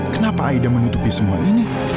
kenapa aida menutupi semua ini